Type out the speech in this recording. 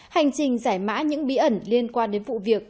hành trình giải mã những bí ẩn liên quan đến vụ việc